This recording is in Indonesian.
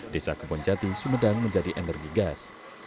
desa kebonjati sumedang menjadi energi gas